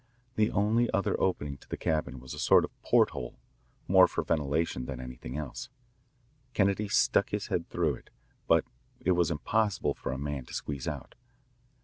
The only other opening to the cabin was a sort of porthole, more for ventilation than anything else. Kennedy stuck his head through it, but it was impossible for a man to squeeze out.